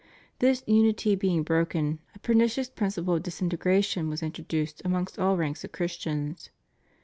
This unity being broken, a pernicious principle of disintegra tion was introduced amongst all ranks of Christians.